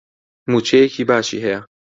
مووچەیەکی باشی هەیە.